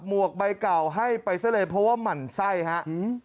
หมวกใบเก่าให้ไปซะเลยเพราะว่ามันไส้ครับ